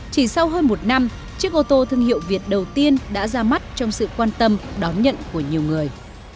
chỉ sau hơn một năm chiếc ô tô thương hiệu việt đầu tiên đã ra mắt trong sự quan tâm đón nhận của nhiều người